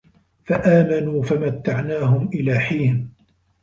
فَآمَنوا فَمَتَّعناهُم إِلى حينٍ